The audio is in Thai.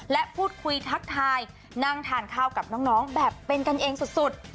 และพูดคุยทักทายนั่งทานข้าวกับน้องแบบเป็นกันเองสุด